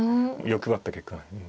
欲張った結果ね。